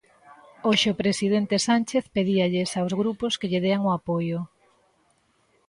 Hoxe o presidente Sánchez pedíalles aos grupos que lle dean o apoio.